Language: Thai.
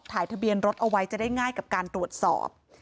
ทะเบียนรถเอาไว้จะได้ง่ายกับการตรวจสอบ